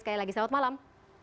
sekali lagi selamat malam